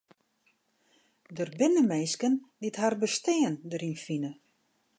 Der binne minsken dy't har bestean deryn fine.